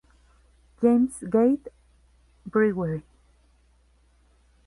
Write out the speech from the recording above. James's Gate Brewery".